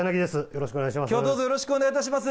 よろしくお願いします。